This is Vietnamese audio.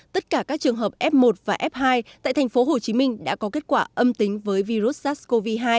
tất cả các trường hợp f một và f hai tại tp hcm đã có kết quả âm tính với virus sars cov hai